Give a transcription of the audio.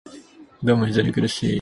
どうも非常に苦しい